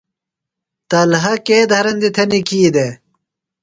طلحہ کے دھرندیۡ تھےۡ نِکھی دےۡ؟